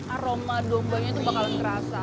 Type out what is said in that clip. aroma dombanya itu bakalan terasa